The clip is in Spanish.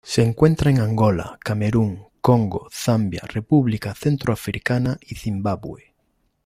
Se encuentra en Angola, Camerún, Congo, Zambia, República Centroafricana y Zimbabue.